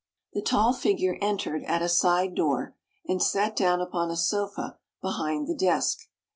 The tall figure entered at a side door, and sat down upon a sofa behind the desk.